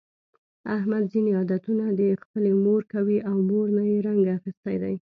احمد ځني عادتونه د خپلې مور کوي، له مور نه یې رنګ اخیستی دی.